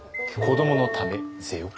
子どものためぜよ。